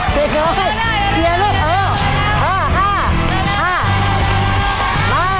เปลี่ยงเลยเครียร์เลยเออห้าห้าห้า